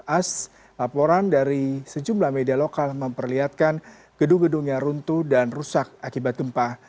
as laporan dari sejumlah media lokal memperlihatkan gedung gedung yang runtuh dan rusak akibat gempa